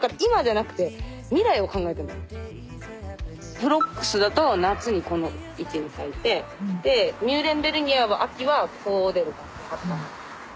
フロックスだと夏にこの位置に咲いてでミューレンベルギアは秋はこう出るの葉っぱが。